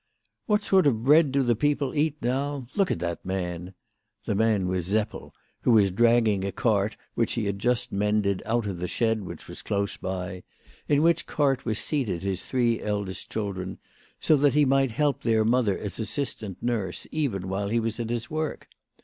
" What sort of bread do the people eat now ? Look at that man." The man was Seppel, who was dragging a cart which he had just mended out of the shed which was close by, in which cart were seated his three eldest children, so that he might help their mother as assistant nurse even while he was at his work.